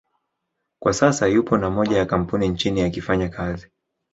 kwa sasa yupo na moja ya kampuni nchini akifanya kazi